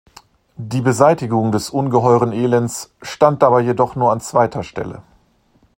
Die Beseitigung des ungeheuren Elends stand dabei jedoch nur an zweiter Stelle.